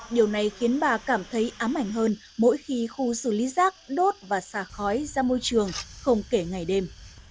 điều này khiến bà cảm thấy ám ảnh hơn mỗi khi khu xử lý rác đốt và xà khói ra môi trường không kể ngày đêm